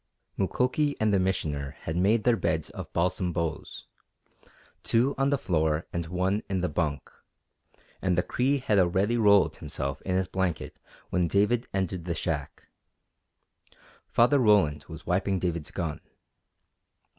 Mukoki and the Missioner had made their beds of balsam boughs, two on the floor and one in the bunk, and the Cree had already rolled himself in his blanket when David entered the shack. Father Roland was wiping David's gun.